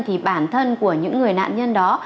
thì bản thân của những người nạn nhân đó